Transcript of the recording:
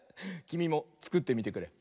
きみもつくってみてくれ！